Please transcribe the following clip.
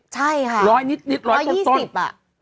ใช่ค่ะ๑๒๐อ่ะ